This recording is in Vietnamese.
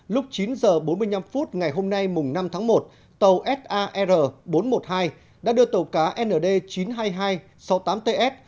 lúc chín h bốn mươi năm ngày hôm nay mùng năm tháng một tàu sar bốn trăm một mươi hai đã đưa tàu cá nd chín trăm hai mươi hai sáu mươi tám ts